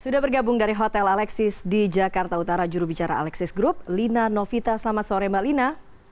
sudah bergabung dari hotel alexis di jakarta utara jurubicara alexis group lina novita selamat sore mbak lina